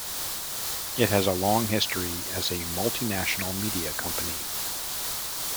It has a long history as a multinational media company.